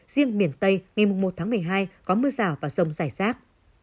riêng miền tây ngày một tháng một mươi hai có mưa rào và rông rải rác